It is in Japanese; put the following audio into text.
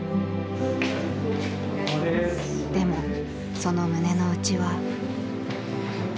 でもその胸の内は。